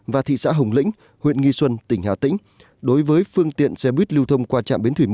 và thị xã hồng lĩnh huyện nghi xuân tỉnh hà tĩnh đối với phương tiện xe buýt lưu thông qua trạm biến thủy một